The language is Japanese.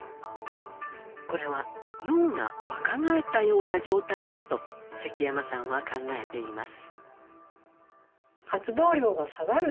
これは脳が若返ったような状態だと積山さんは考えています。